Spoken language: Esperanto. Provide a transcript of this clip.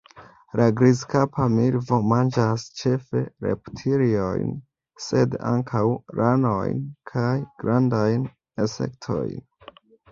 La Grizkapa milvo manĝas ĉefe reptiliojn, sed ankaŭ ranojn kaj grandajn insektojn.